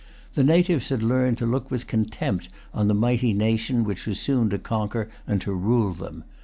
The natives had learned to look with contempt on the mighty nation which was soon to conquer and to rule them.